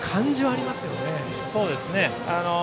そうですね。